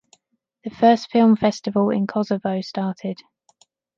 The first film festival in Kosovo started.